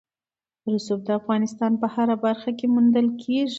رسوب د افغانستان په هره برخه کې موندل کېږي.